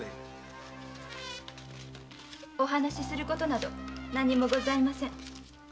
〔お話しすることなど何もございません。